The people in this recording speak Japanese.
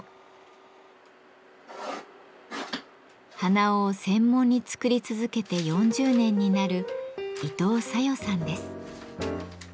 鼻緒を専門に作り続けて４０年になる伊藤小夜さんです。